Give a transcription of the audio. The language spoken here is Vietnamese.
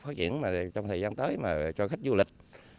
phát triển mà trong thời gian tới mà cho khách du lịch